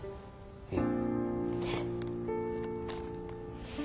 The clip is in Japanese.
うん。